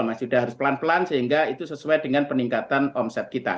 mas yuda harus pelan pelan sehingga itu sesuai dengan peningkatan omset kita